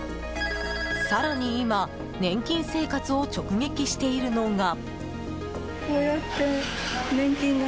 更に今、年金生活を直撃しているのが。